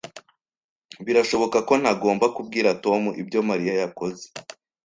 Birashoboka ko ntagomba kubwira Tom ibyo Mariya yakoze.